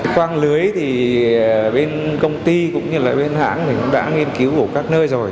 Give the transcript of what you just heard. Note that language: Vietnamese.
quang lưới thì bên công ty cũng như bên hãng cũng đã nghiên cứu của các nơi rồi